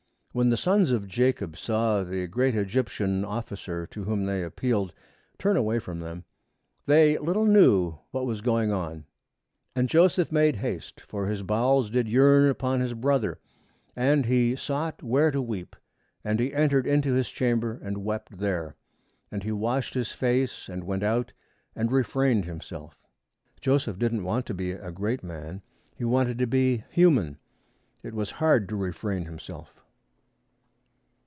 When the sons of Jacob saw the great Egyptian officer to whom they appealed turn away from them, they little knew what was going on. 'And Joseph made haste, for his bowels did yearn upon his brother: and he sought where to weep, and he entered into his chamber, and wept there. And he washed his face, and went out, and refrained himself.' Joseph didn't want to be a great man. He wanted to be human. It was hard to refrain himself.